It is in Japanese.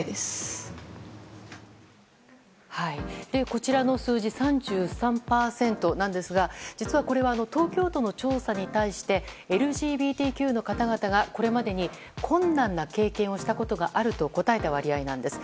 こちらの数字３３％なんですが実はこれは東京都の調査に対してＬＧＢＴＱの方々がこれまでに困難な経験をしたことがあると答えた割合なんです。